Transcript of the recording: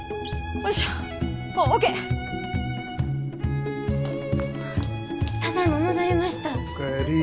お帰り。